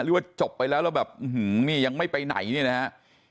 หรือว่าจบไปแล้วแล้วแบบอื้อหือนี่ยังไม่ไปไหนเนี่ยนะฮะ